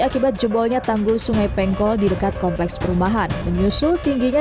akibat jebolnya tanggul sungai pengkol di dekat kompleks perumahan menyusul tingginya